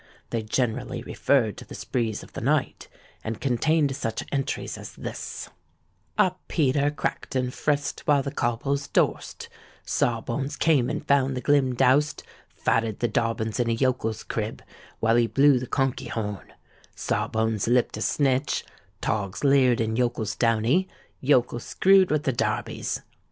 They generally referred to the sprees of the night, and contained some such entries as this:—'_A peter cracked and frisked, while the cobbles dorsed; Sawbones came and found the glim doused; fadded the dobbins in a yokel's crib, while he blew the conkey horn; Sawbones lipped a snitch; togs leered in yokel's downy; yokel screwed with the darbies_.'